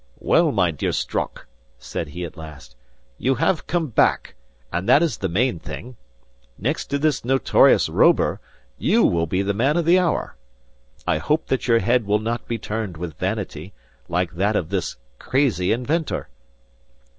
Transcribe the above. "Well, my dear Strock," said he at last, "you have come back; and that is the main thing. Next to this notorious Robur, you will be the man of the hour. I hope that your head will not be turned with vanity, like that of this crazy inventor!"